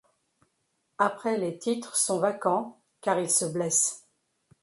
Après les Titres sont vacants car il se blesse.